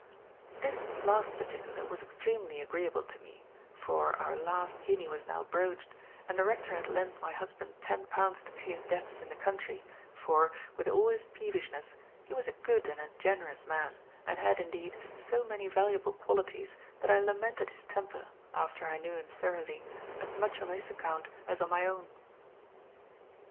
"This last particular was extremely agreeable to me, for our last guinea was now broached; and the rector had lent my husband ten pounds to pay his debts in the country, for, with all his peevishness, he was a good and a generous man, and had, indeed, so many valuable qualities, that I lamented his temper, after I knew him thoroughly, as much on his account as on my own.